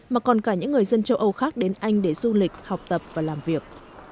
mà còn cả những người dân châu âu khác đến anh để du lịch học tập và làm việc